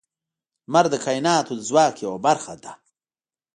• لمر د کائنات د ځواک یوه برخه ده.